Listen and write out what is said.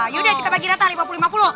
yaudah kita bagi data lima puluh lima puluh